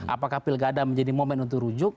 apakah pilgada mau main untuk rujuk